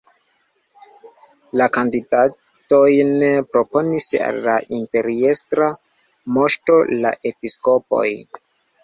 La kandidatojn proponis al la imperiestra moŝto la episkopoj.